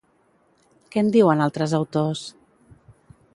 Què en diuen altres autors?